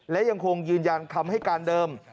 และยังคงยืนยันคำให้การเดิม